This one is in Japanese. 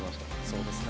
そうですね。